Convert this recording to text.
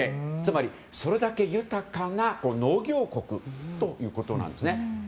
つまり、それだけ豊かな農業国ということなんです。